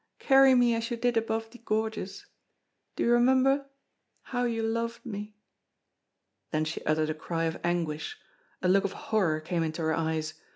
Carry me as you did above the gorges. Do you remember? how you loved me!" Then she uttered a cry of anguish a look of horror came into her eyes.